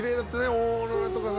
オーロラとかさ。